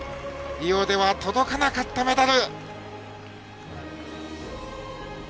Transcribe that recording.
リオでは届かなかったメダル。